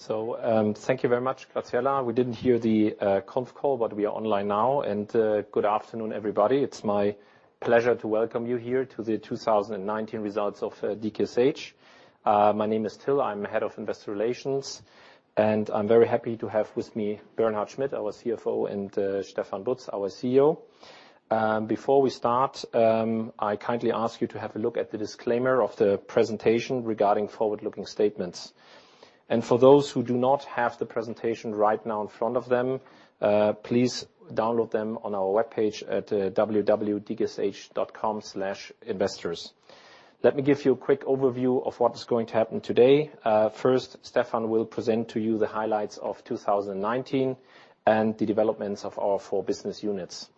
Thank you very much, Graziella. We didn't hear the conf call, but we are online now. Good afternoon, everybody. It's my pleasure to welcome you here to the 2019 results of DKSH. My name is Till. I'm Head of Investor Relations, and I'm very happy to have with me Bernhard Schmitt, our CFO, and Stefan Butz, our CEO. Before we start, I kindly ask you to have a look at the disclaimer of the presentation regarding forward-looking statements. For those who do not have the presentation right now in front of them, please download them on our webpage at www.dksh.com/investors. Let me give you a quick overview of what is going to happen today. First, Stefan will present to you the highlights of 2019 and the developments of our four business units.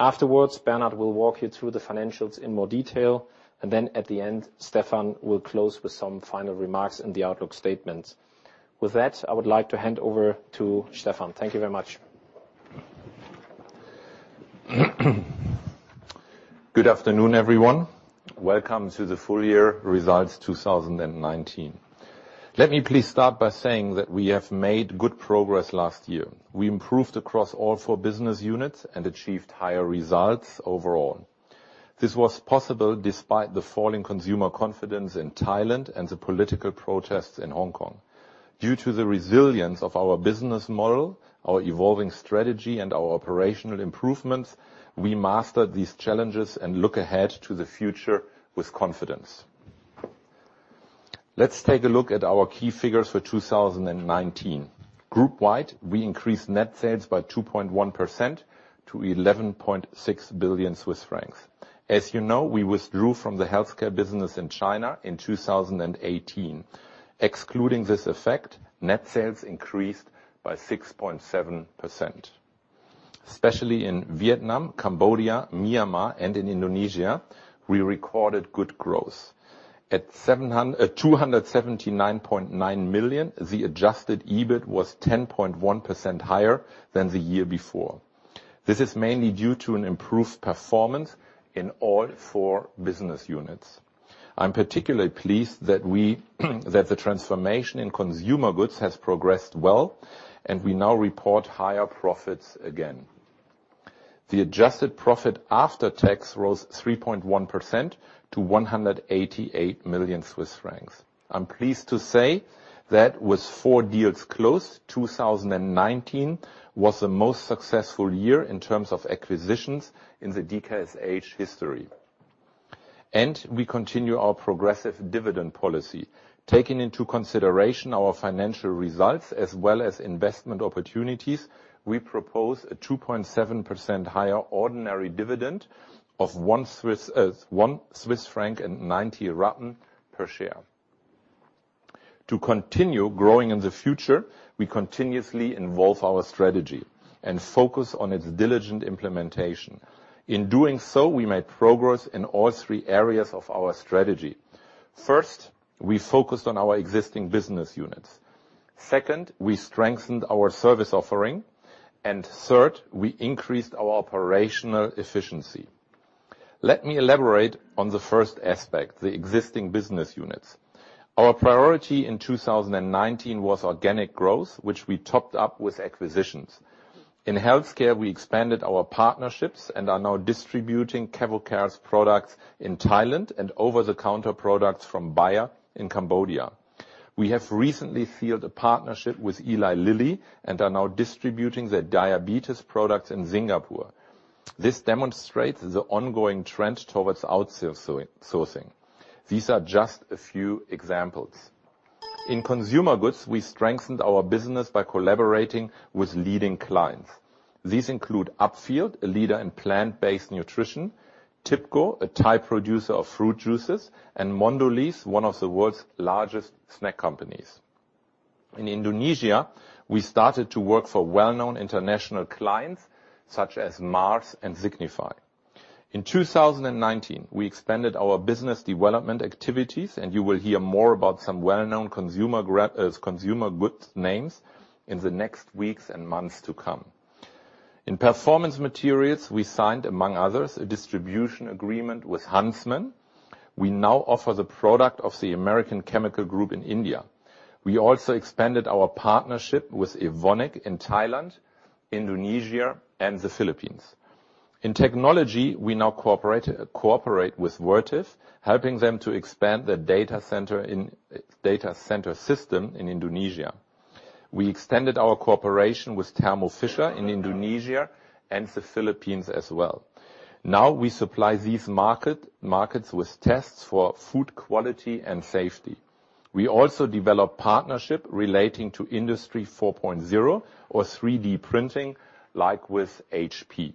Afterwards, Bernhard will walk you through the financials in more detail, and then at the end, Stefan will close with some final remarks and the outlook statements. With that, I would like to hand over to Stefan. Thank you very much. Good afternoon, everyone. Welcome to the full year results 2019. Let me please start by saying that we have made good progress last year. We improved across all four business units and achieved higher results overall. This was possible despite the falling consumer confidence in Thailand and the political protests in Hong Kong. Due to the resilience of our business model, our evolving strategy, and our operational improvements, we mastered these challenges and look ahead to the future with confidence. Let's take a look at our key figures for 2019. Group wide, we increased net sales by 2.1% to 11.6 billion Swiss francs. As you know, we withdrew from the Healthcare business in China in 2018. Excluding this effect, net sales increased by 6.7%. Especially in Vietnam, Cambodia, Myanmar, and in Indonesia, we recorded good growth. At 279.9 million, the adjusted EBIT was 10.1% higher than the year before. This is mainly due to an improved performance in all four business units. I'm particularly pleased that the transformation in Consumer Goods has progressed well, and we now report higher profits again. The adjusted profit after tax rose 3.1% to 188 million Swiss francs. I'm pleased to say that with four deals closed, 2019 was the most successful year in terms of acquisitions in the DKSH history. We continue our progressive dividend policy. Taking into consideration our financial results as well as investment opportunities, we propose a 2.7% higher ordinary dividend of 1.90 Swiss franc per share. To continue growing in the future, we continuously involve our strategy and focus on its diligent implementation. In doing so, we made progress in all three areas of our strategy. First, we focused on our existing business units. Second, we strengthened our service offering. Third, we increased our operational efficiency. Let me elaborate on the first aspect, the existing business units. Our priority in 2019 was organic growth, which we topped up with acquisitions. In Healthcare, we expanded our partnerships and are now distributing Cavotec's products in Thailand and over-the-counter products from Bayer in Cambodia. We have recently sealed a partnership with Eli Lilly and are now distributing their diabetes product in Singapore. This demonstrates the ongoing trend towards outsourcing. These are just a few examples. In Consumer Goods, we strengthened our business by collaborating with leading clients. These include Upfield, a leader in plant-based nutrition, Tipco, a Thai producer of fruit juices, and Mondelēz, one of the world's largest snack companies. In Indonesia, we started to work for well-known international clients such as Mars and Signify. In 2019, we expanded our business development activities, and you will hear more about some well-known Consumer Goods names in the next weeks and months to come. In Performance Materials, we signed, among others, a distribution agreement with Huntsman. We now offer the product of the American Chemical Group in India. We also expanded our partnership with Evonik in Thailand, Indonesia, and the Philippines. In Technology, we now cooperate with Vertiv, helping them to expand their data center system in Indonesia. We extended our cooperation with Thermo Fisher in Indonesia and the Philippines as well. Now we supply these markets with tests for food quality and safety. We also develop partnership relating to Industry 4.0 or 3D printing, like with HP.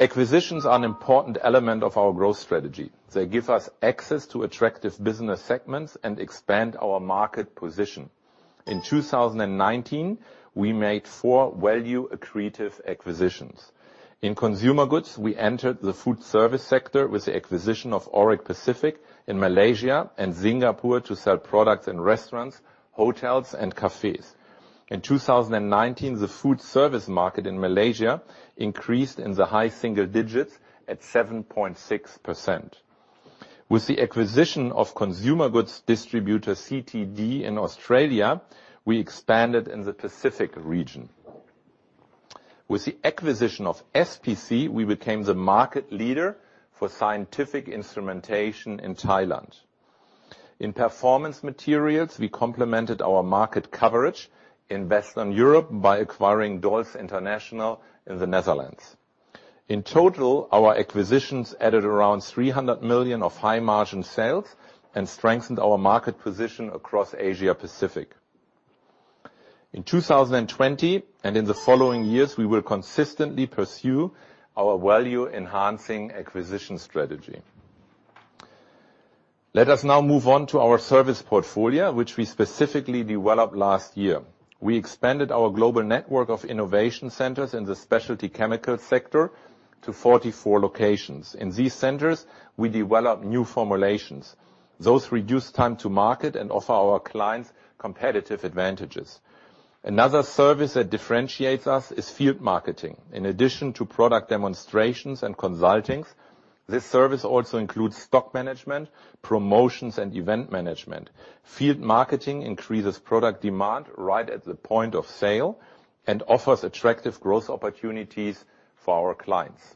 Acquisitions are an important element of our growth strategy. They give us access to attractive business segments and expand our market position. In 2019, we made four value-accretive acquisitions. In Consumer Goods, we entered the food service sector with the acquisition of Auric Pacific in Malaysia and Singapore to sell products in restaurants, hotels, and cafes. In 2019, the food service market in Malaysia increased in the high single digits at 7.6%. With the acquisition of Consumer Goods distributor CTD in Australia, we expanded in the Pacific region. With the acquisition of SPC, we became the market leader for scientific instrumentation in Thailand. In Performance Materials, we complemented our market coverage in Western Europe by acquiring Dols International in the Netherlands. In total, our acquisitions added around 300 million of high-margin sales and strengthened our market position across Asia Pacific. In 2020 and in the following years, we will consistently pursue our value-enhancing acquisition strategy. Let us now move on to our service portfolio, which we specifically developed last year. We expanded our global network of innovation centers in the specialty chemical sector to 44 locations. In these centers, we develop new formulations. Those reduce time to market and offer our clients competitive advantages. Another service that differentiates us is field marketing. In addition to product demonstrations and consultings, this service also includes stock management, promotions, and event management. Field marketing increases product demand right at the point of sale and offers attractive growth opportunities for our clients.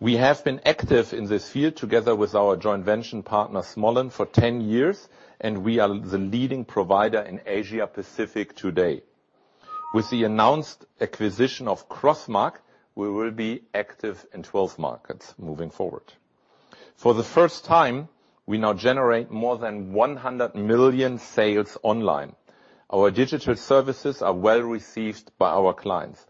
We have been active in this field together with our joint venture partner, Smollan, for 10 years, and we are the leading provider in Asia Pacific today. With the announced acquisition of Crossmark, we will be active in 12 markets moving forward. For the first time, we now generate more than 100 million sales online. Our digital services are well-received by our clients.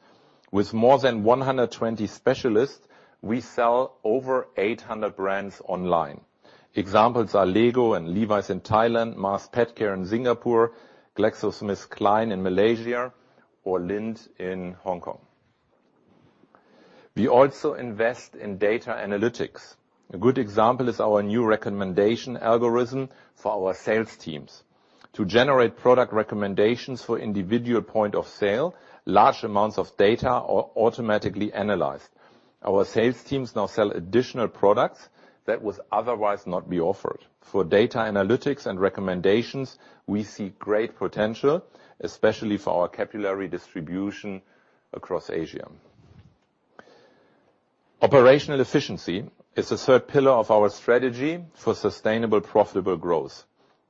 With more than 120 specialists, we sell over 800 brands online. Examples are LEGO and Levi's in Thailand, Mars Petcare in Singapore, GlaxoSmithKline in Malaysia, or Lindt in Hong Kong. We also invest in data analytics. A good example is our new recommendation algorithm for our sales teams. To generate product recommendations for individual point of sale, large amounts of data are automatically analyzed. Our sales teams now sell additional products that would otherwise not be offered. For data analytics and recommendations, we see great potential, especially for our capillary distribution across Asia. Operational efficiency is the third pillar of our strategy for sustainable, profitable growth.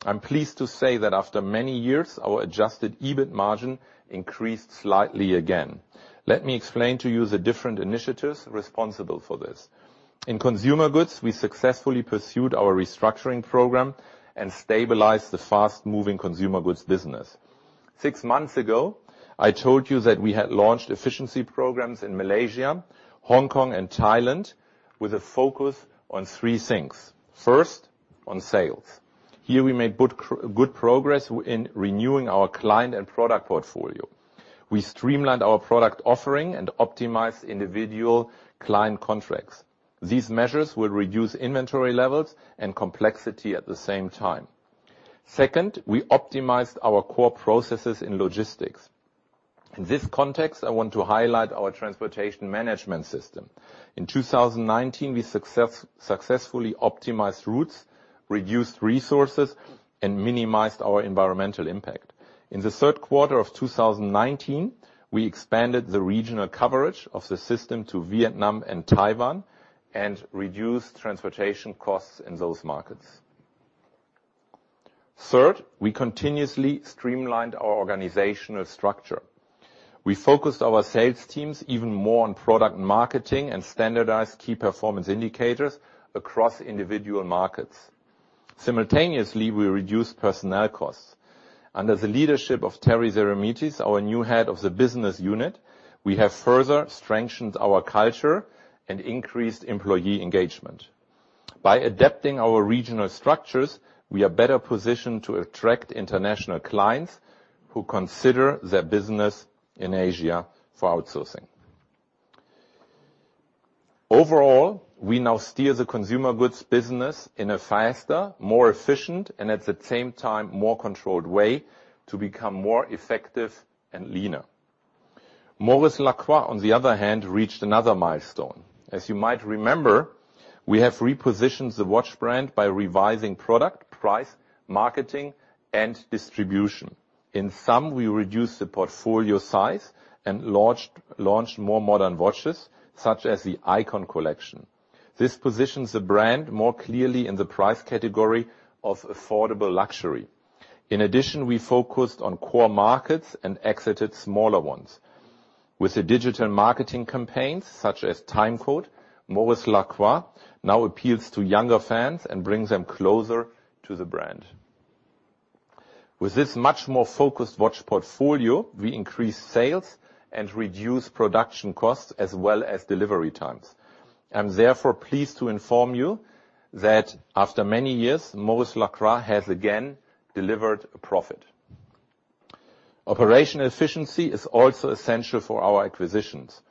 I'm pleased to say that after many years, our adjusted EBIT margin increased slightly again. Let me explain to you the different initiatives responsible for this. In consumer goods, we successfully pursued our restructuring program and stabilized the fast-moving consumer goods business. Six months ago, I told you that we had launched efficiency programs in Malaysia, Hong Kong, and Thailand with a focus on three things. First, on sales. Here we made good progress in renewing our client and product portfolio. We streamlined our product offering and optimized individual client contracts. These measures will reduce inventory levels and complexity at the same time. Second, we optimized our core processes in logistics. In this context, I want to highlight our transportation management system. In 2019, we successfully optimized routes, reduced resources, and minimized our environmental impact. In the third quarter of 2019, we expanded the regional coverage of the system to Vietnam and Taiwan and reduced transportation costs in those markets. Third, we continuously streamlined our organizational structure. We focused our sales teams even more on product marketing and standardized key performance indicators across individual markets. Simultaneously, we reduced personnel costs. Under the leadership of Terry Seremetis, our new head of the business unit, we have further strengthened our culture and increased employee engagement. By adapting our regional structures, we are better positioned to attract international clients who consider their business in Asia for outsourcing. Overall, we now steer the Consumer Goods business in a faster, more efficient, and at the same time, more controlled way to become more effective and leaner. Maurice Lacroix, on the other hand, reached another milestone. As you might remember, we have repositioned the watch brand by revising product, price, marketing, and distribution. In sum, we reduced the portfolio size and launched more modern watches, such as the AIKON collection. This positions the brand more clearly in the price category of affordable luxury. In addition, we focused on core markets and exited smaller ones. With the digital marketing campaigns such as Timecode, Maurice Lacroix now appeals to younger fans and brings them closer to the brand. With this much more focused watch portfolio, we increased sales and reduced production costs as well as delivery times. I'm therefore pleased to inform you that after many years, Maurice Lacroix has again delivered a profit. Operational efficiency is also essential for our acquisitions.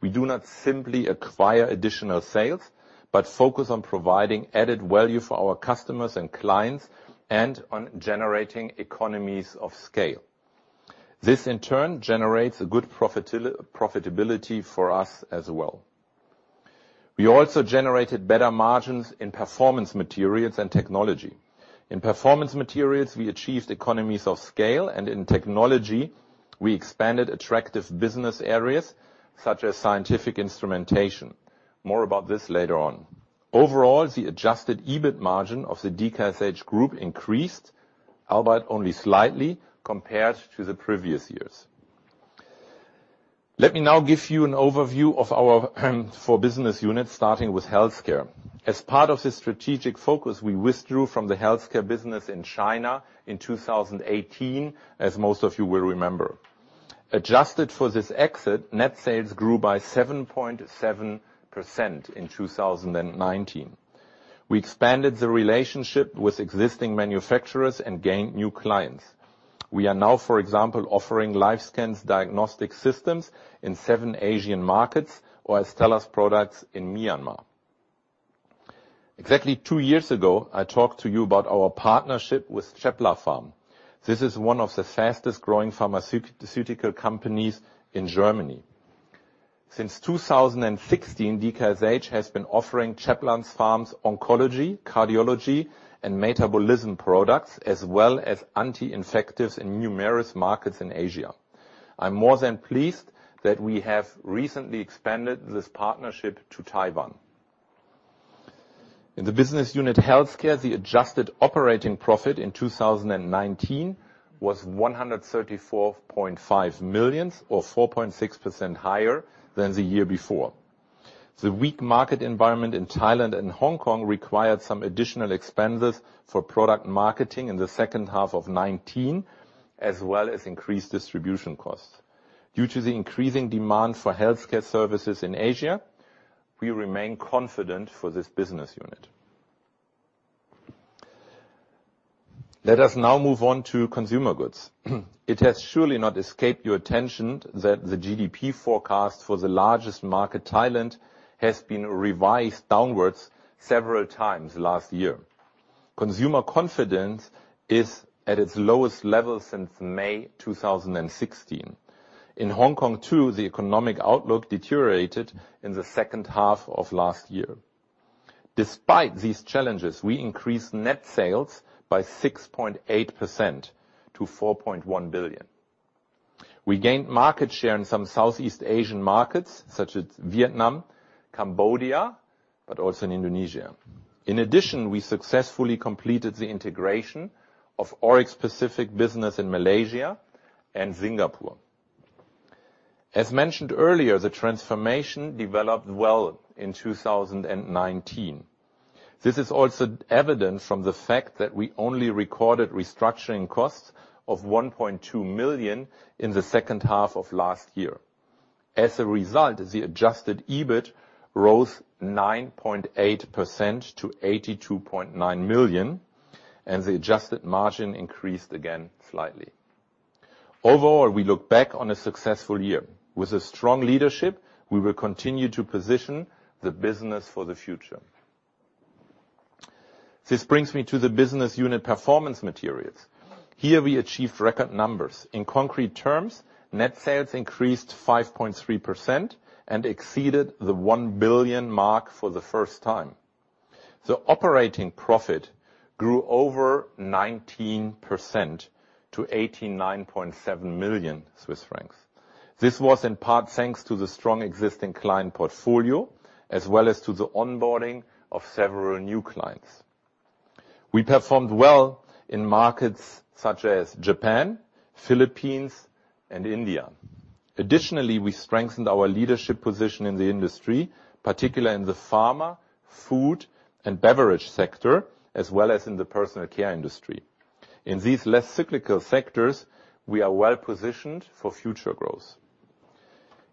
We do not simply acquire additional sales, but focus on providing added value for our customers and clients and on generating economies of scale. This in turn generates a good profitability for us as well. We also generated better margins in Performance Materials and Technology. In Performance Materials, we achieved economies of scale, and in Technology, we expanded attractive business areas such as scientific instrumentation. More about this later on. Overall, the adjusted EBIT margin of the DKSH Group increased, albeit only slightly, compared to the previous years. Let me now give you an overview of our four business units, starting with Healthcare. As part of the strategic focus, we withdrew from the healthcare business in China in 2018, as most of you will remember. Adjusted for this exit, net sales grew by 7.7% in 2019. We expanded the relationship with existing manufacturers and gained new clients. We are now, for example, offering LifeScan's diagnostic systems in seven Asian markets or Astellas products in Myanmar. Exactly two years ago, I talked to you about our partnership with Cheplapharm. This is one of the fastest-growing pharmaceutical companies in Germany. Since 2016, DKSH has been offering Cheplapharm's oncology, cardiology, and metabolism products, as well as anti-infectives in numerous markets in Asia. I'm more than pleased that we have recently expanded this partnership to Taiwan. In the business unit Healthcare, the adjusted operating profit in 2019 was 134.5 million or 4.6% higher than the year before. The weak market environment in Thailand and Hong Kong required some additional expenses for product marketing in the second half of 2019, as well as increased distribution costs. Due to the increasing demand for Healthcare services in Asia, we remain confident for this business unit. Let us now move on to Consumer Goods. It has surely not escaped your attention that the GDP forecast for the largest market, Thailand, has been revised downwards several times last year. Consumer confidence is at its lowest level since May 2016. In Hong Kong, too, the economic outlook deteriorated in the second half of last year. Despite these challenges, we increased net sales by 6.8% to 4.1 billion. We gained market share in some Southeast Asian markets such as Vietnam, Cambodia, but also in Indonesia. In addition, we successfully completed the integration of Auric Pacific business in Malaysia and Singapore. As mentioned earlier, the transformation developed well in 2019. This is also evident from the fact that we only recorded restructuring costs of 1.2 million in the second half of last year. As a result, the adjusted EBIT rose 9.8% to 82.9 million, and the adjusted margin increased again slightly. Overall, we look back on a successful year. With strong leadership, we will continue to position the business for the future. This brings me to the business unit Performance Materials. Here we achieved record numbers. In concrete terms, net sales increased 5.3% and exceeded the 1 billion mark for the first time. The operating profit grew over 19% to 89.7 million Swiss francs. This was in part thanks to the strong existing client portfolio, as well as to the onboarding of several new clients. We performed well in markets such as Japan, Philippines, and India. Additionally, we strengthened our leadership position in the industry, particularly in the pharma, food, and beverage sector, as well as in the personal care industry. In these less cyclical sectors, we are well-positioned for future growth.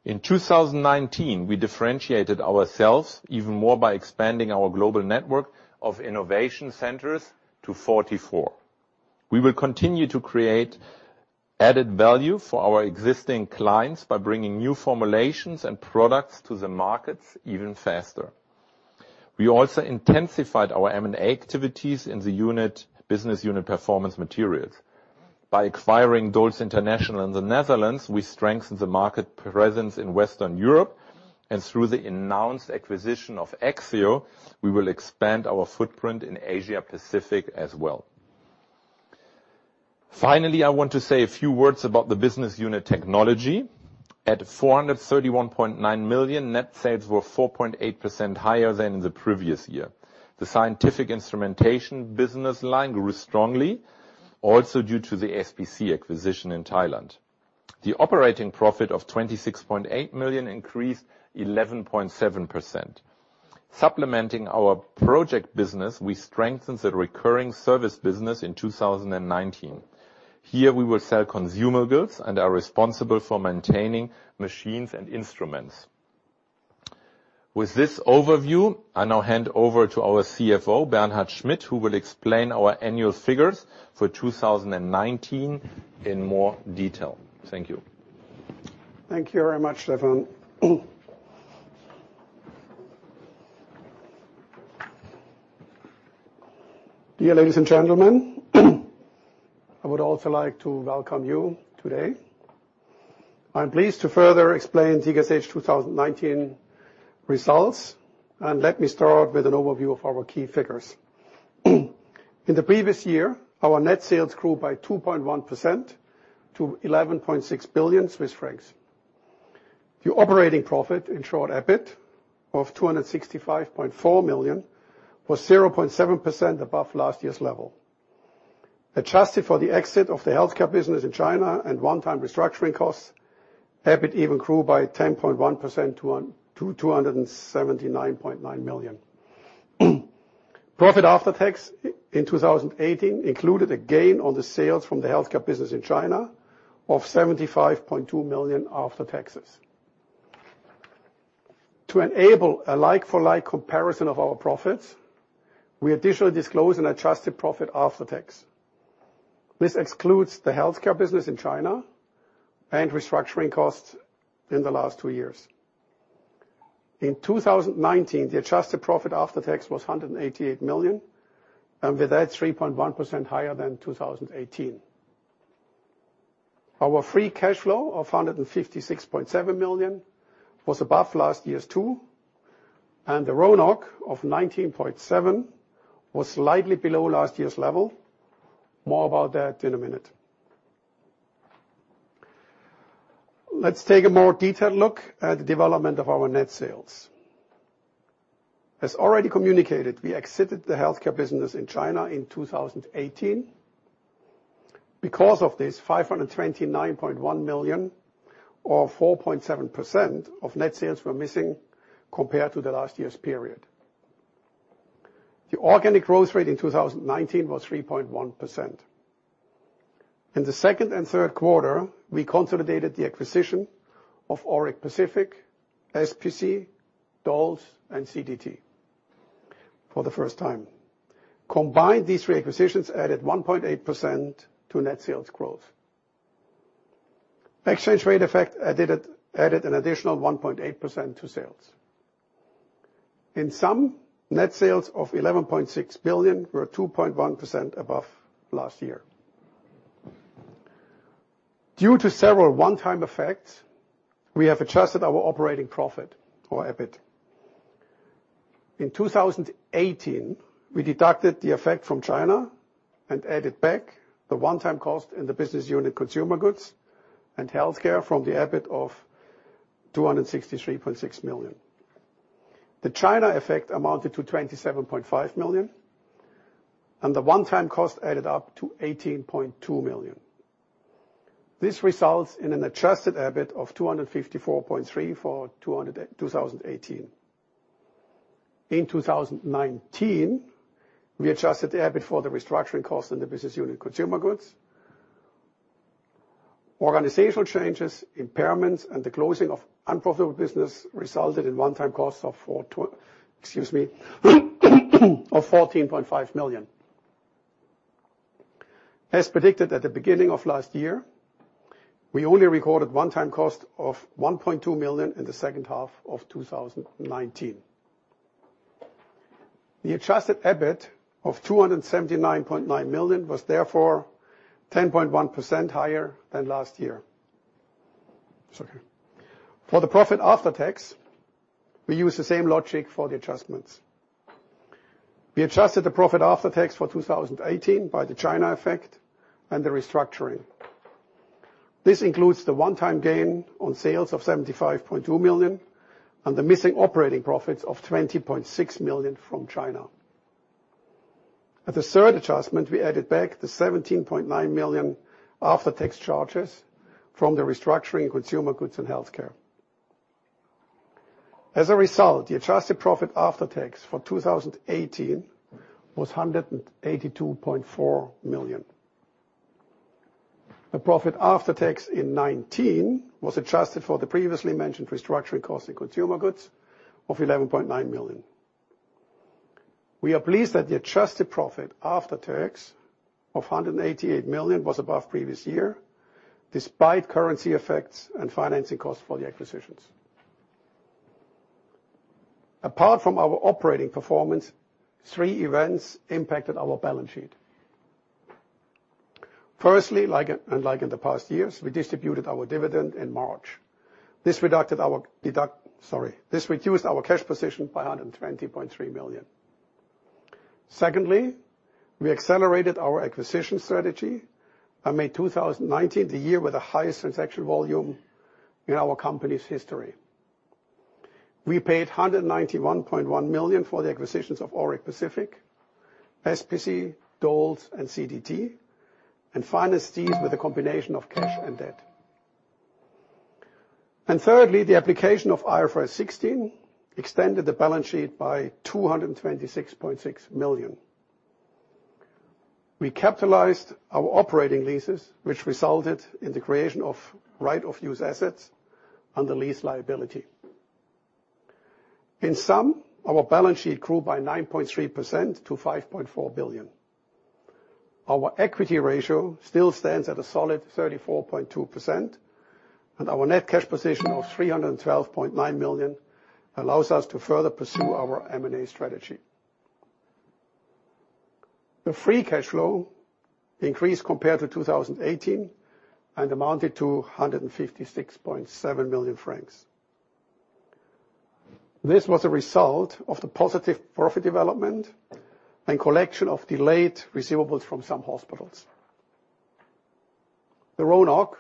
In 2019, we differentiated ourselves even more by expanding our global network of innovation centers to 44. We will continue to create added value for our existing clients by bringing new formulations and products to the markets even faster. We also intensified our M&A activities in the business unit Performance Materials. By acquiring Dols International in the Netherlands, we strengthened the market presence in Western Europe. Through the announced acquisition of Axieo, we will expand our footprint in Asia Pacific as well. Finally, I want to say a few words about the business unit Technology. At 431.9 million, net sales were 4.8% higher than in the previous year. The scientific instrumentation business line grew strongly, also due to the SPC acquisition in Thailand. The operating profit of 26.8 million increased 11.7%. Supplementing our project business, we strengthened the recurring service business in 2019. Here, we will sell consumer goods and are responsible for maintaining machines and instruments. With this overview, I now hand over to our CFO, Bernhard Schmitt, who will explain our annual figures for 2019 in more detail. Thank you. Thank you very much, Stefan. Dear ladies and gentlemen, I would also like to welcome you today. I'm pleased to further explain DKSH 2019 results, and let me start with an overview of our key figures. In the previous year, our net sales grew by 2.1% to 11.6 billion Swiss francs. The operating profit, in short, EBIT, of 265.4 million, was 0.7% above last year's level. Adjusted for the exit of the Healthcare business in China and one-time restructuring costs, EBIT even grew by 10.1% to 279.9 million. Profit after tax in 2018 included a gain on the sales from the Healthcare business in China of 75.2 million after taxes. To enable a like-for-like comparison of our profits, we additionally disclose an adjusted profit after tax. This excludes the Healthcare business in China and restructuring costs in the last two years. In 2019, the adjusted profit after tax was 188 million, with that, 3.1% higher than 2018. Our free cash flow of 156.7 million was above last year's too, the RONOC of 19.7% was slightly below last year's level. More about that in a minute. Let's take a more detailed look at the development of our net sales. As already communicated, we exited the Healthcare business in China in 2018. Because of this, 529.1 million or 4.7% of net sales were missing compared to the last year's period. The organic growth rate in 2019 was 3.1%. In the second and third quarter, we consolidated the acquisition of Auric Pacific, SPC, Dols, and CTD for the first time. Combined, these three acquisitions added 1.8% to net sales growth. Exchange rate effect added an additional 1.8% to sales. In sum, net sales of 11.6 billion were 2.1% above last year. Due to several one-time effects, we have adjusted our operating profit or EBIT. In 2018, we deducted the effect from China and added back the one-time cost in the business unit, Consumer Goods and Healthcare from the EBIT of 263.6 million. The China effect amounted to 27.5 million, and the one-time cost added up to 18.2 million. This results in an adjusted EBIT of 254.3 for 2018. In 2019, we adjusted the EBIT for the restructuring costs in the business unit, Consumer Goods. Organizational changes, impairments, and the closing of unprofitable business resulted in one-time costs of 14.5 million. As predicted at the beginning of last year, we only recorded one-time cost of 1.2 million in the second half of 2019. The adjusted EBIT of 279.9 million was therefore 10.1% higher than last year. Sorry. For the profit after tax, we use the same logic for the adjustments. We adjusted the profit after tax for 2018 by the China effect and the restructuring. This includes the one-time gain on sales of 75.2 million and the missing operating profits of 20.6 million from China. At the third adjustment, we added back the 17.9 million after-tax charges from the restructuring Consumer Goods and Healthcare. As a result, the adjusted profit after tax for 2018 was 182.4 million. The profit after tax in 2019 was adjusted for the previously mentioned restructuring cost in Consumer Goods of 11.9 million. We are pleased that the adjusted profit after tax of 188 million was above previous year, despite currency effects and financing costs for the acquisitions. Apart from our operating performance, three events impacted our balance sheet. Firstly, unlike in the past years, we distributed our dividend in March. This reduced our cash position by 120.3 million. Secondly, we accelerated our acquisition strategy and made 2019 the year with the highest transaction volume in our company's history. We paid 191.1 million for the acquisitions of Auric Pacific, SPC, Dols, and CTD, and financed these with a combination of cash and debt. Thirdly, the application of IFRS 16 extended the balance sheet by 226.6 million. We capitalized our operating leases, which resulted in the creation of right of use assets under lease liability. In sum, our balance sheet grew by 9.3% to 5.4 billion. Our equity ratio still stands at a solid 34.2%, and our net cash position of 312.9 million allows us to further pursue our M&A strategy. The free cash flow increased compared to 2018 and amounted to 156.7 million francs. This was a result of the positive profit development and collection of delayed receivables from some hospitals. The RONOC,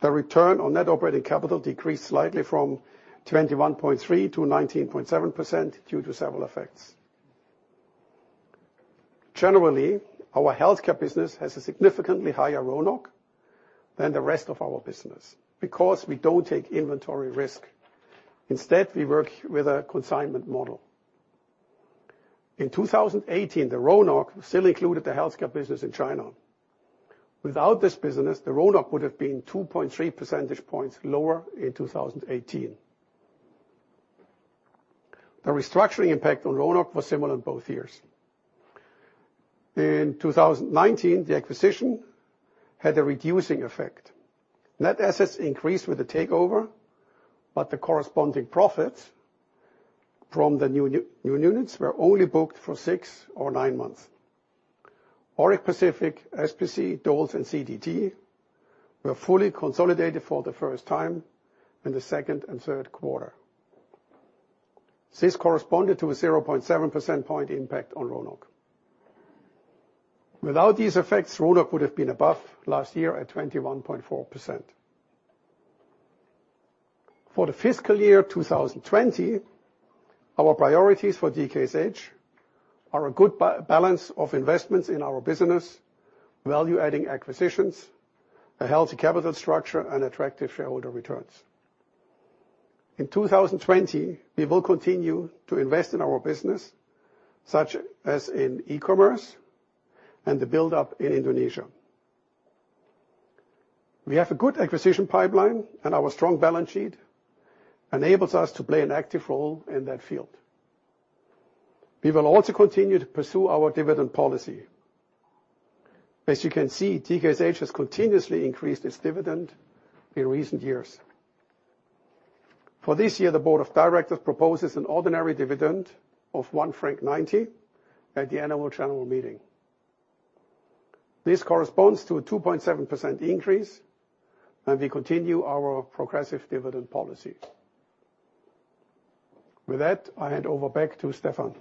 the return on net operating capital, decreased slightly from 21.3% to 19.7% due to several effects. Generally, our Healthcare business has a significantly higher RONOC than the rest of our business because we don't take inventory risk. Instead, we work with a consignment model. In 2018, the RONOC still included the Healthcare business in China. Without this business, the RONOC would've been 2.3 percentage points lower in 2018. The restructuring impact on RONOC was similar in both years. In 2019, the acquisition had a reducing effect. Net assets increased with the takeover, but the corresponding profits from the new units were only booked for six or nine months. Auric Pacific, SPC, Dols, and CTD were fully consolidated for the first time in the second and third quarter. This corresponded to a 0.7% point impact on RONOC. Without these effects, RONOC would've been above last year at 21.4%. For the fiscal year 2020, our priorities for DKSH are a good balance of investments in our business, value-adding acquisitions, a healthy capital structure, and attractive shareholder returns. In 2020, we will continue to invest in our business, such as in e-commerce and the buildup in Indonesia. We have a good acquisition pipeline, and our strong balance sheet enables us to play an active role in that field. We will also continue to pursue our dividend policy. As you can see, DKSH has continuously increased its dividend in recent years. For this year, the board of directors proposes an ordinary dividend of 1.90 franc at the annual general meeting. This corresponds to a 2.7% increase, and we continue our progressive dividend policy. With that, I hand over back to Stefan.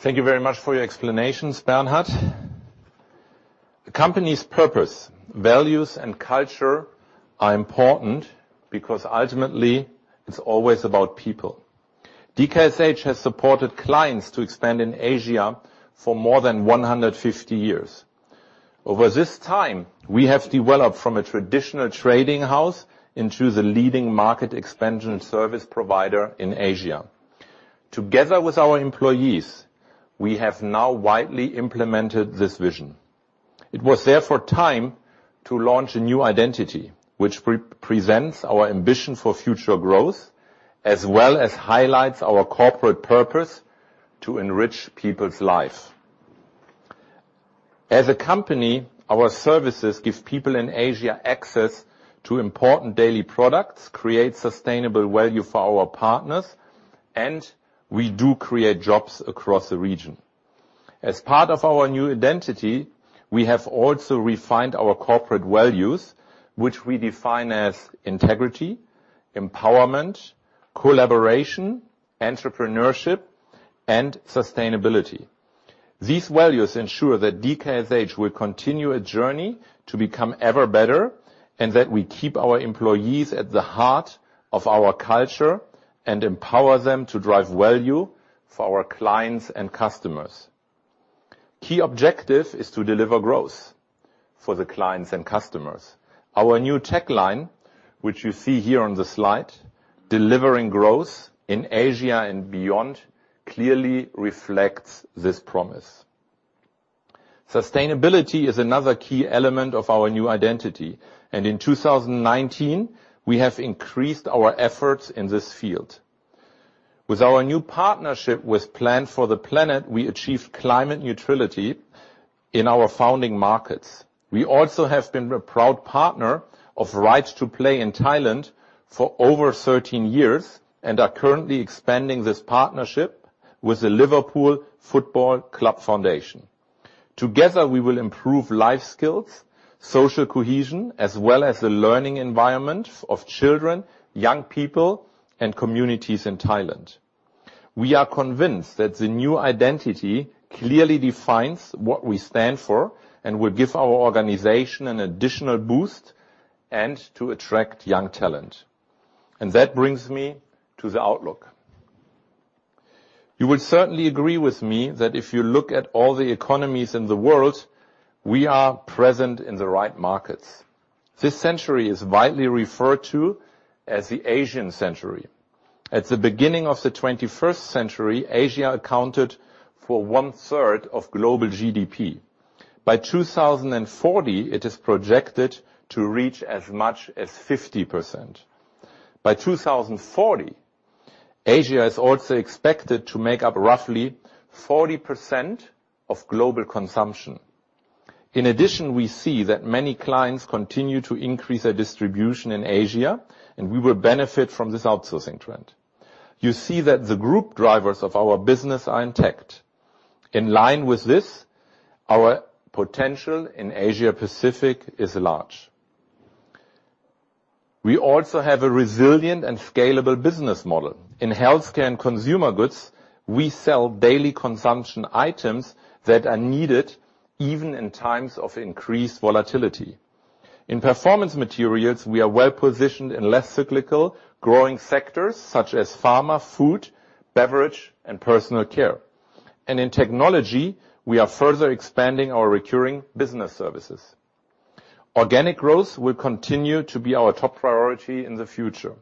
Thank you very much for your explanations, Bernhard. The company's purpose, values, and culture are important because ultimately, it's always about people. DKSH has supported clients to expand in Asia for more than 150 years. Over this time, we have developed from a traditional trading house into the leading market expansion service provider in Asia. Together with our employees, we have now widely implemented this vision. It was therefore time to launch a new identity, which represents our ambition for future growth, as well as highlights our corporate purpose to enrich people's lives. As a company, our services give people in Asia access to important daily products, create sustainable value for our partners, and we do create jobs across the region. As part of our new identity, we have also refined our corporate values, which we define as integrity, empowerment, collaboration, entrepreneurship, and sustainability. These values ensure that DKSH will continue a journey to become ever better, and that we keep our employees at the heart of our culture and empower them to drive value for our clients and customers. Key objective is to deliver growth for the clients and customers. Our new tagline, which you see here on the slide, Delivering Growth – in Asia and Beyond, clearly reflects this promise. Sustainability is another key element of our new identity, and in 2019, we have increased our efforts in this field. With our new partnership with Plant-for-the-Planet, we achieved climate neutrality in our founding markets. We also have been a proud partner of Right To Play in Thailand for over 13 years and are currently expanding this partnership with the Liverpool Football Club Foundation. Together, we will improve life skills, social cohesion, as well as the learning environment of children, young people, and communities in Thailand. We are convinced that the new identity clearly defines what we stand for and will give our organization an additional boost and to attract young talent. That brings me to the outlook. You will certainly agree with me that if you look at all the economies in the world, we are present in the right markets. This century is widely referred to as the Asian Century. At the beginning of the 21st century, Asia accounted for one third of global GDP. By 2040, it is projected to reach as much as 50%. By 2040, Asia is also expected to make up roughly 40% of global consumption. In addition, we see that many clients continue to increase their distribution in Asia, and we will benefit from this outsourcing trend. You see that the group drivers of our business are intact. In line with this, our potential in Asia Pacific is large. We also have a resilient and scalable business model. In Healthcare and Consumer Goods, we sell daily consumption items that are needed even in times of increased volatility. In Performance Materials, we are well-positioned in less cyclical, growing sectors such as pharma, food, beverage, and personal care. In Technology, we are further expanding our recurring business services. Organic growth will continue to be our top priority in the future.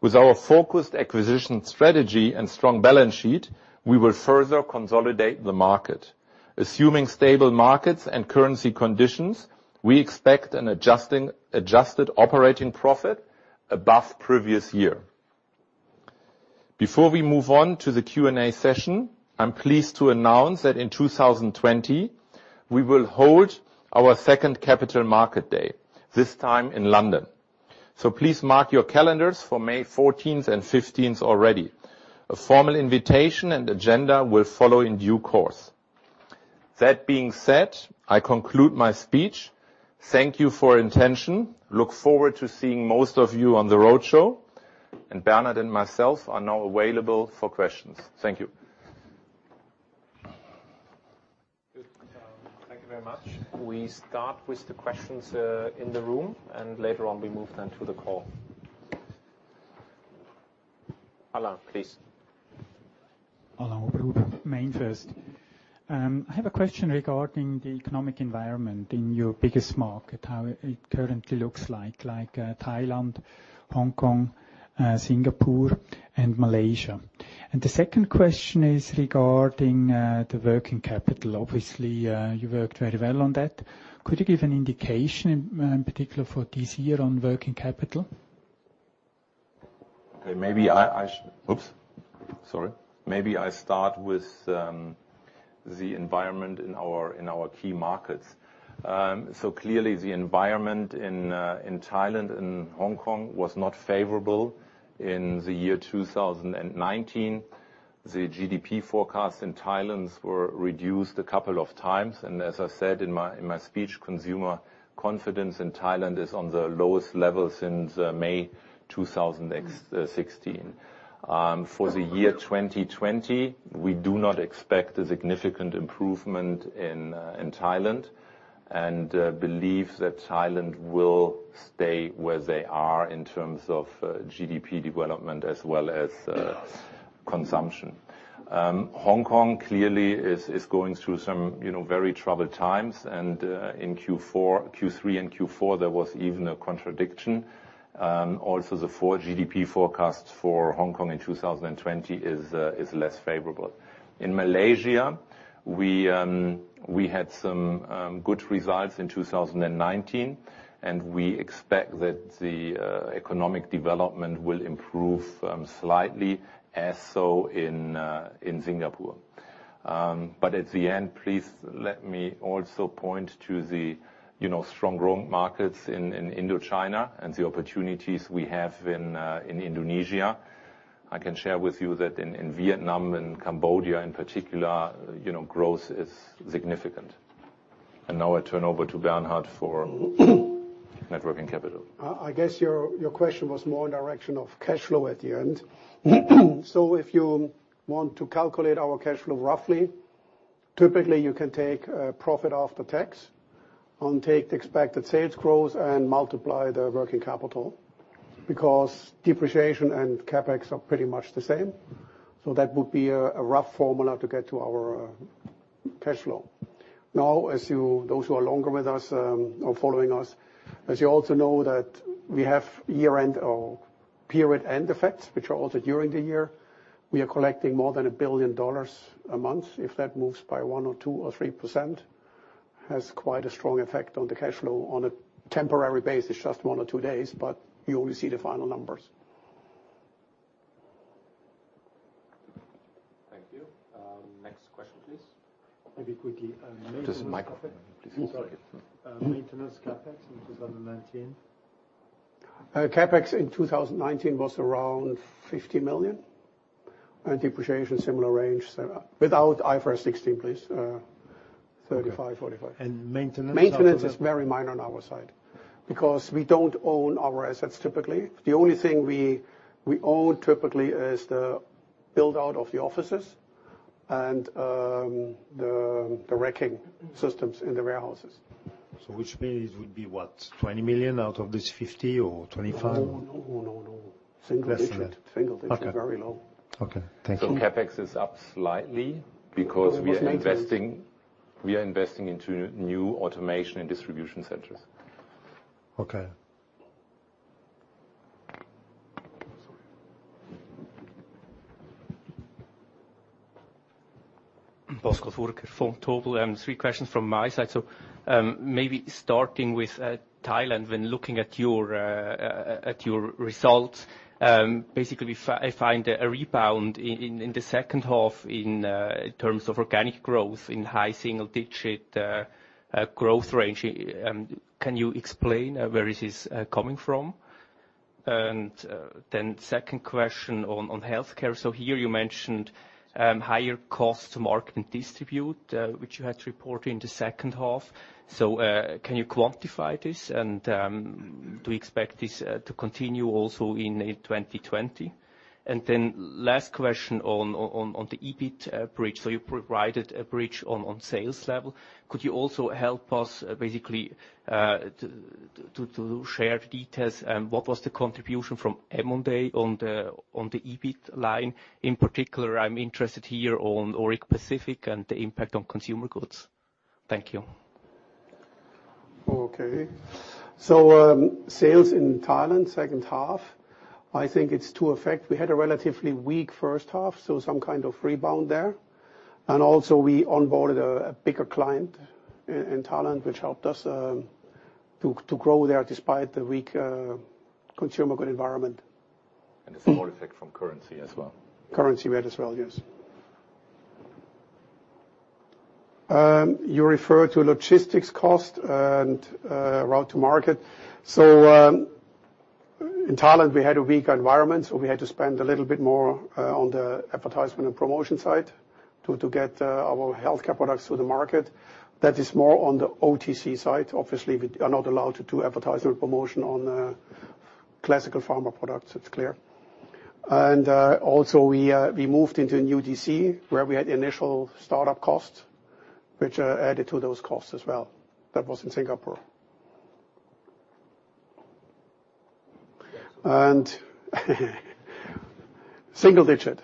With our focused acquisition strategy and strong balance sheet, we will further consolidate the market. Assuming stable markets and currency conditions, we expect an adjusted operating profit above previous year. Before we move on to the Q&A session, I'm pleased to announce that in 2020, we will hold our second capital market day, this time in London. Please mark your calendars for May 14th and 15th already. A formal invitation and agenda will follow in due course. That being said, I conclude my speech. Thank you for attention. Look forward to seeing most of you on the road show, and Bernhard and myself are now available for questions. Thank you. Good. Thank you very much. We start with the questions in the room, and later on, we move then to the call. Alain, please. Alain Oberhuber, MainFirst. I have a question regarding the economic environment in your biggest market, how it currently looks like Thailand, Hong Kong, Singapore, and Malaysia. The second question is regarding the working capital. Obviously, you worked very well on that. Could you give an indication, in particular for this year on working capital? Okay. Oops. Sorry. Maybe I start with the environment in our key markets. Clearly, the environment in Thailand and Hong Kong was not favorable in the year 2019. The GDP forecasts in Thailand were reduced a couple of times. As I said in my speech, consumer confidence in Thailand is on the lowest level since May 2016. For the year 2020, we do not expect a significant improvement in Thailand. We believe that Thailand will stay where they are in terms of GDP development as well as consumption. Hong Kong clearly is going through some very troubled times. In Q3 and Q4, there was even a contradiction. Also, the four GDP forecasts for Hong Kong in 2020 is less favorable. In Malaysia, we had some good results in 2019. We expect that the economic development will improve slightly, as so in Singapore. At the end, please let me also point to the strong growth markets in Indochina and the opportunities we have in Indonesia. I can share with you that in Vietnam and Cambodia, in particular, growth is significant. Now I turn over to Bernhard for working capital. I guess your question was more in direction of cash flow at the end. If you want to calculate our cash flow roughly, typically you can take profit after tax on, take the expected sales growth and multiply the working capital because depreciation and CapEx are pretty much the same. That would be a rough formula to get to our cash flow. Now, those who are longer with us or following us, as you also know that we have year-end or period-end effects, which are also during the year. We are collecting more than CHF 1 billion a month. If that moves by one or two or three%, has quite a strong effect on the cash flow on a temporary basis, just one or two days, but you only see the final numbers. Thank you. Next question, please. Maybe quickly- Just mic on. Sorry. Maintenance CapEx in 2019? CapEx in 2019 was around 50 million. Depreciation, similar range. Without IFRS 16, please. 35 million-45 million. Maintenance? Maintenance is very minor on our side because we don't own our assets typically. The only thing we own typically is the build-out of the offices and the racking systems in the warehouses. Which means it would be what? 20 million out of this 50 or 25? No. Less than that. Single digit. Okay. Very low. Okay. Thank you. CapEx is up slightly because. It was maintained. We are investing into new automation and distribution centers. Okay. Pascal Furrer from Vontobel. Three questions from my side. Maybe starting with Thailand, when looking at your results. Basically, I find a rebound in the second half in terms of organic growth in high single digit, growth range. Can you explain where it is coming from? Second question on Healthcare. Here you mentioned higher cost to market and distribute, which you had to report in the second half. Can you quantify this and, do you expect this to continue also in 2020? Last question on the EBIT bridge. You provided a bridge on sales level. Could you also help us basically to share the details? What was the contribution from M&A on the EBIT line? In particular, I'm interested here on Auric Pacific and the impact on Consumer Goods. Thank you. Sales in Thailand second half, I think it's in effect. We had a relatively weak first half, so some kind of rebound there. Also we onboarded a bigger client in Thailand, which helped us to grow there despite the weak Consumer Goods environment. A small effect from currency as well. Currency rate as well. Yes. You refer to logistics cost and route to market. In Thailand we had a weak environment, so we had to spend a little bit more on the advertisement and promotion side to get our Healthcare products to the market. That is more on the OTC side. Obviously, we are not allowed to do advertisement and promotion on classical pharma products. It's clear. We moved into a new DC, where we had initial startup costs, which added to those costs as well. That was in Singapore. Single digit.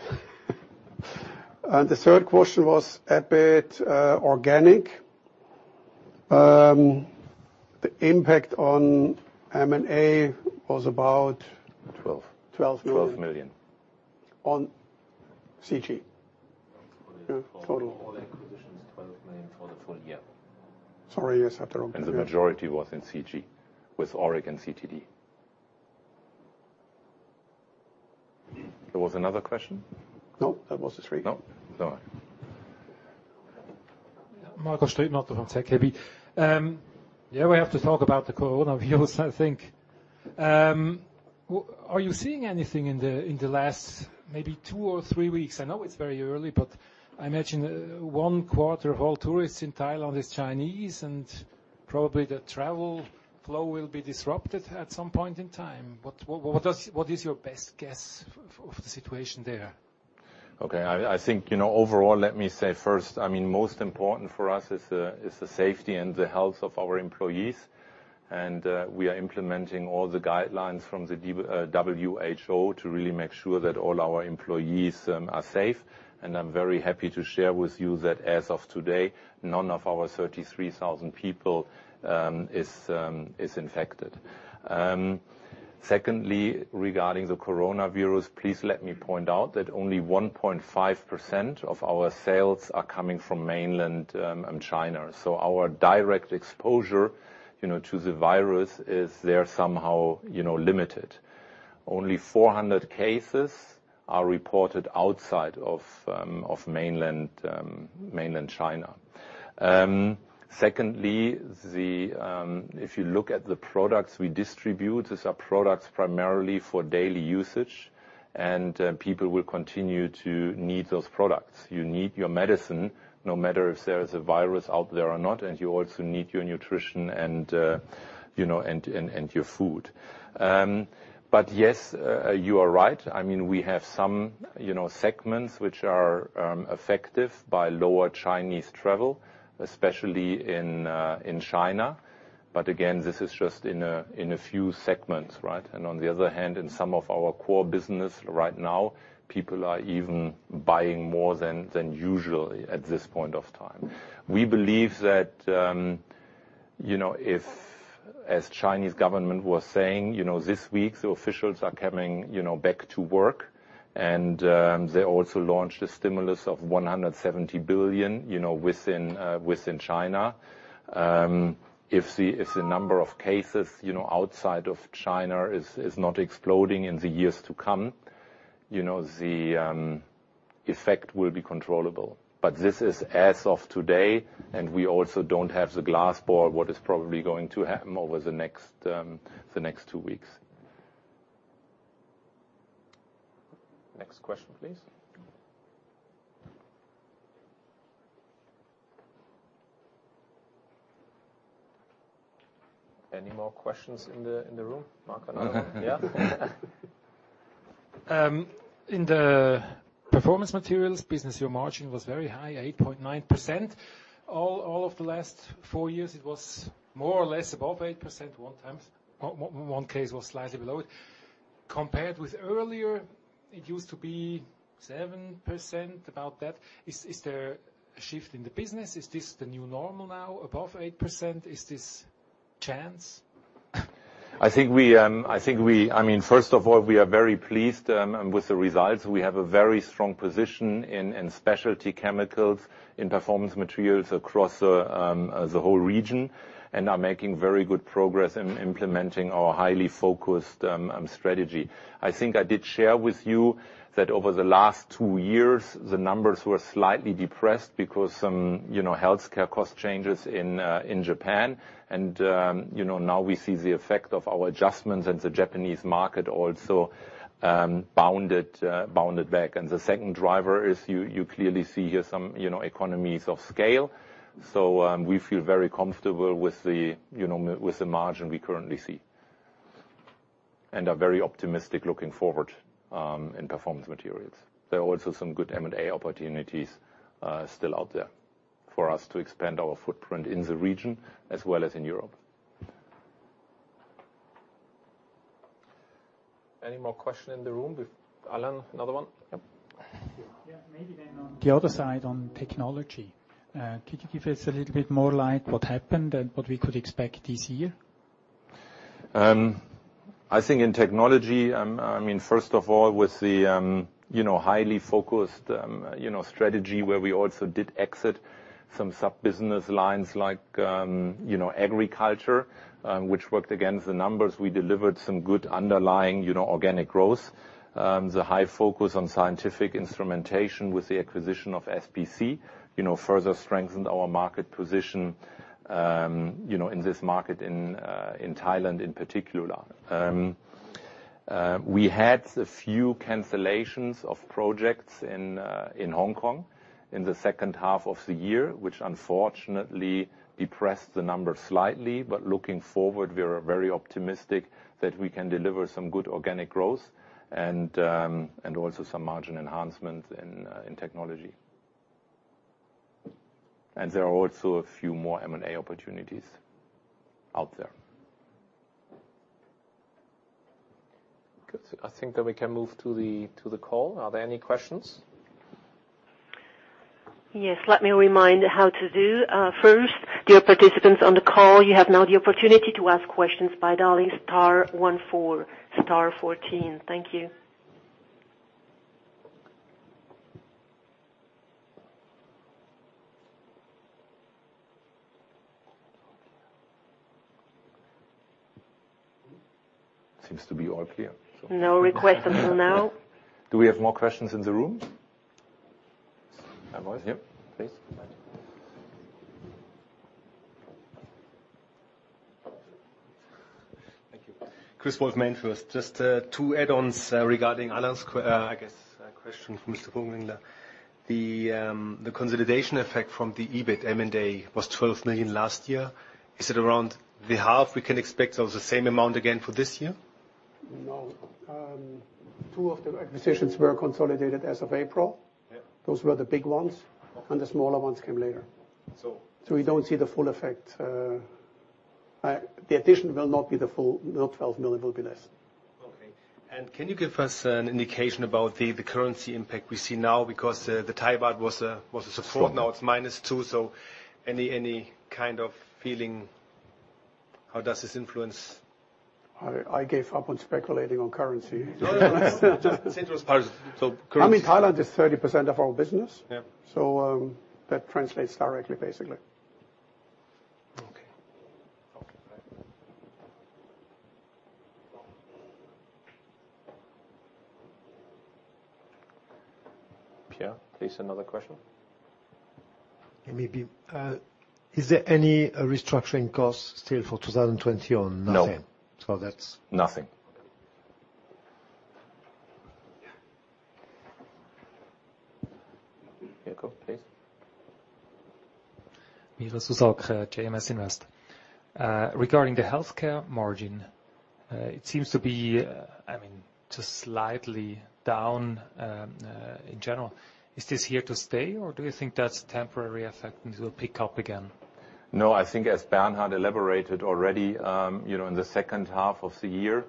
The third question was EBIT, organic. The impact on M&A was about. 12. 12 million. 12 million. On CG. Total. All acquisitions, CHF 12 million for the full year. Sorry, yes, I had the wrong figure. The majority was in CG with Auric and CTD. There was another question? No, that was the three. No. All right. Marco Gadola from ZKB. We have to talk about the coronavirus, I think. Are you seeing anything in the last maybe two or three weeks? I know it's very early, but I imagine one quarter of all tourists in Thailand is Chinese, and probably the travel flow will be disrupted at some point in time. What is your best guess of the situation there? Okay. I think, overall, let me say first, most important for us is the safety and the health of our employees. We are implementing all the guidelines from the WHO to really make sure that all our employees are safe. I'm very happy to share with you that as of today, none of our 33,000 people is infected. Secondly, regarding the coronavirus, please let me point out that only 1.5% of our sales are coming from mainland China. Our direct exposure to the virus is there somehow limited. Only 400 cases are reported outside of mainland China. Secondly, if you look at the products we distribute, these are products primarily for daily usage, and people will continue to need those products. You need your medicine, no matter if there is a virus out there or not, and you also need your nutrition and your food. Yes, you are right. We have some segments which are affected by lower Chinese travel, especially in China. Again, this is just in a few segments, right? On the other hand, in some of our core business right now, people are even buying more than usual at this point of time. We believe that, as Chinese government was saying, this week the officials are coming back to work. They also launched a stimulus of 170 billion within China. If the number of cases outside of China is not exploding in the years to come, the effect will be controllable. This is as of today, and we also don't have the glass ball what is probably going to happen over the next two weeks. Next question, please. Any more questions in the room? Marco? Another one. Yeah. In the Performance Materials business, your margin was very high, 8.9%. All of the last four years, it was more or less above 8%, one case was slightly below it. Compared with earlier, it used to be 7%, about that. Is there a shift in the business? Is this the new normal now, above 8%? Is this chance? I think, first of all, we are very pleased with the results. We have a very strong position in specialty chemicals, in Performance Materials across the whole region, and are making very good progress in implementing our highly focused strategy. I think I did share with you that over the last two years, the numbers were slightly depressed because some Healthcare cost changes in Japan, and now we see the effect of our adjustments and the Japanese market also bounded back. The second driver is you clearly see here some economies of scale. We feel very comfortable with the margin we currently see, and are very optimistic looking forward in Performance Materials. There are also some good M&A opportunities still out there for us to expand our footprint in the region as well as in Europe. Any more question in the room? Alain, another one? Yep. Yes. Maybe on the other side, on Technology, could you give us a little bit more light what happened and what we could expect this year? I think in Technology, first of all, with the highly focused strategy, where we also did exit some sub business lines like agriculture, which worked against the numbers. We delivered some good underlying organic growth. The high focus on scientific instrumentation with the acquisition of SPC further strengthened our market position in this market in Thailand in particular. We had a few cancellations of projects in Hong Kong in the second half of the year, which unfortunately depressed the numbers slightly. Looking forward, we are very optimistic that we can deliver some good organic growth and also some margin enhancement in Technology. There are also a few more M&A opportunities out there. Good. I think that we can move to the call. Are there any questions? Yes. Let me remind how to do. First, dear participants on the call, you have now the opportunity to ask questions by dialing star 14, star 14. Thank you. Seems to be all clear. No requests until now. Do we have more questions in the room? Yes. Please. Thank you. Chris Wolf, MainFirst. Just two add-ons regarding Alain's, I guess, question from Mr. Bunglinger. The consolidation effect from the EBIT M&A was 12 million last year. Is it around the half we can expect of the same amount again for this year? No. Two of the acquisitions were consolidated as of April. Yeah. Those were the big ones. Okay. The smaller ones came later. So- We don't see the full effect. The addition will not be the full 12 million. It will be less. Okay. Can you give us an indication about the currency impact we see now? The Thai baht was a support. Now it's minus two, any kind of feeling, how does this influence? I gave up on speculating on currency. No. Just in those parts. I mean, Thailand is 30% of our business. Yeah. That translates directly, basically. Okay. Right. Pierre, please, another question? Maybe. Is there any restructuring costs still for 2020 or nothing? No. So that's- Nothing. Mirco, please. Regarding the Healthcare margin, it seems to be just slightly down in general. Is this here to stay, or do you think that's a temporary effect and it will pick up again? I think as Bernhard elaborated already, in the second half of the year,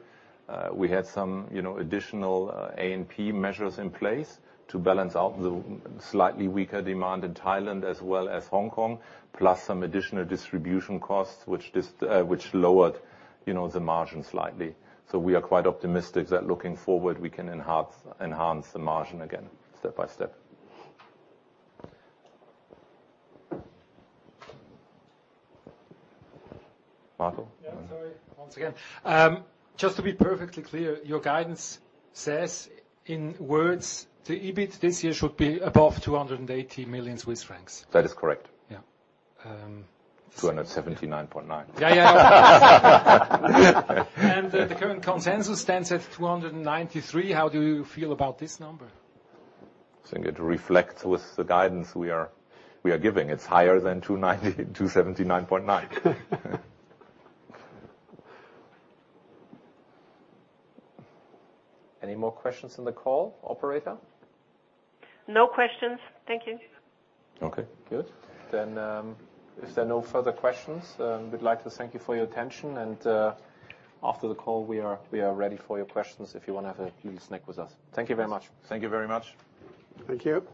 we had some additional A&P measures in place to balance out the slightly weaker demand in Thailand as well as Hong Kong, plus some additional distribution costs, which lowered the margin slightly. We are quite optimistic that looking forward, we can enhance the margin again step by step. Marco? Yeah. Sorry, once again. Just to be perfectly clear, your guidance says in words, the EBIT this year should be above 280 million Swiss francs. That is correct. Yeah. 279.9. Yeah. The current consensus stands at 293. How do you feel about this number? I think it reflects with the guidance we are giving. It's higher than 279.9. Any more questions on the call, operator? No questions. Thank you. Okay, good. If there are no further questions, we'd like to thank you for your attention. After the call, we are ready for your questions if you want to have a little snack with us. Thank you very much. Thank you very much. Thank you.